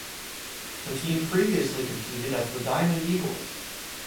The team previously competed as the Diamond Eagles.